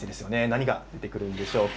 何が出てくるんですか。